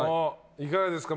いかがですか？